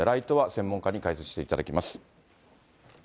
専門家に解説していただきます。